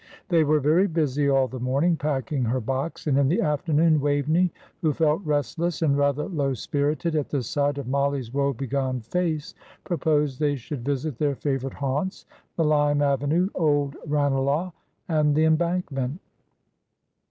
They were very busy all the morning, packing her box, and in the afternoon Waveney, who felt restless and rather low spirited at the sight of Mollie's woe begone face, proposed they should visit their favourite haunts, the lime avenue, old Ranelagh and the Embankment.